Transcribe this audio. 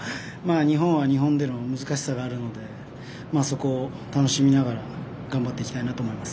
日本は日本での難しさがあるのでそこを楽しみながら頑張っていきたいなと思います。